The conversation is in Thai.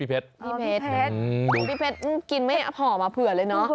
พี่เพชรกินไหมอับห่อมาเผื่อเลยเนอะ